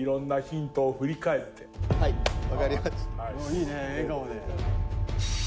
いいね笑顔で。